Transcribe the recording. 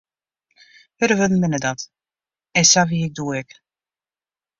Hurde wurden binne dat, en sa wie ik doe ek.